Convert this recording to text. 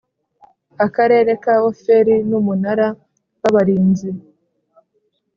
Akarere ka Ofeli n’umunara w’abarinzi